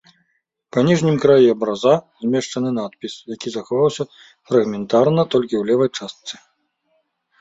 Па ніжнім краі абраза змешчаны надпіс, які захаваўся фрагментарна толькі ў левай частцы.